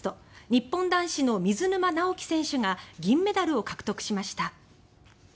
日本男子の水沼尚輝選手が銀メダルを獲得しました。